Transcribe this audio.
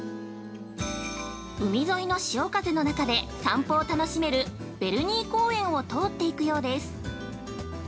海沿いの潮風の中で散歩を楽しめるベルニー公園を通っていくようです。